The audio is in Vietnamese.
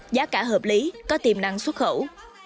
giá cả hợp lý có tiềm năng xuất khẩu